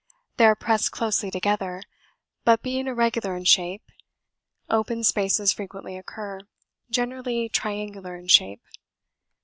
They are pressed closely together, but being irregular in shape, open spaces frequently occur, generally triangular in shape.